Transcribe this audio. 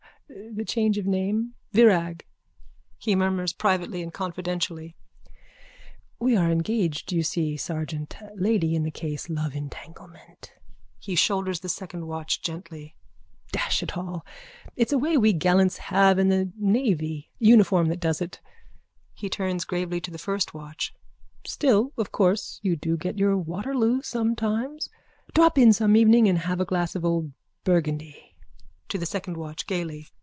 The change of name. Virag. (He murmurs privately and confidentially.) We are engaged you see, sergeant. Lady in the case. Love entanglement. (He shoulders the second watch gently.) Dash it all. It's a way we gallants have in the navy. Uniform that does it. (He turns gravely to the first watch.) Still, of course, you do get your Waterloo sometimes. Drop in some evening and have a glass of old Burgundy. _(To the second watch gaily.)